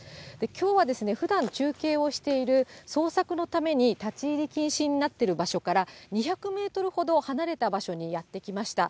きょうは、ふだん中継をしている捜索のために立ち入り禁止になっている場所から、２００メートルほど離れた場所にやって来ました。